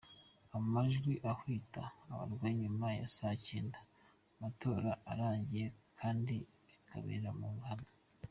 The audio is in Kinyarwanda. Amajwi ahita abarwa nyuma ya saa cyenda amatora arangiye kandi bikabera mu ruhame.